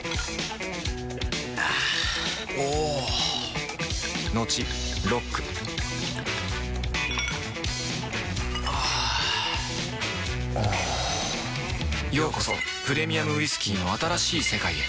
あぁおぉトクトクあぁおぉようこそプレミアムウイスキーの新しい世界へ